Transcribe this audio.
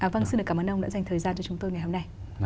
vâng xin cảm ơn ông đã dành thời gian cho chúng tôi ngày hôm nay